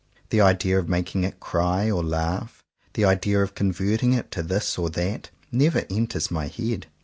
The idea of making it cry or laugh, the idea of converting it to this or that, never enters my head.